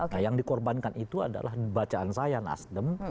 nah yang dikorbankan itu adalah bacaan saya nasdem